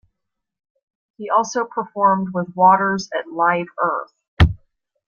He also performed with Waters at Live Earth.